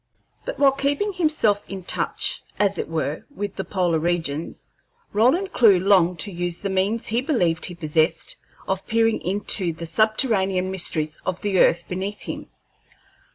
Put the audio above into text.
But while keeping himself in touch, as it were, with the polar regions, Roland Clewe longed to use the means he believed he possessed of peering into the subterranean mysteries of the earth beneath him.